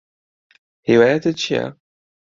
هیوایەتت چییە؟